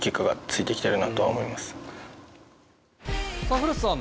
古田さん